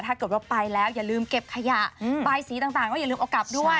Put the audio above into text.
ถ้าเกิดว่าไปแล้วอย่าลืมเก็บขยะใบสีต่างก็อย่าลืมเอากลับด้วย